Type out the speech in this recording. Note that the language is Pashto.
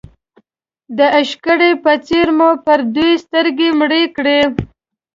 د عشقري په څېر مو پر دود سترګې مړې کړې.